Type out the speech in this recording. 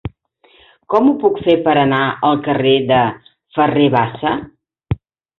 Com ho puc fer per anar al carrer de Ferrer Bassa?